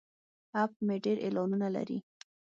اپ مې ډیر اعلانونه لري.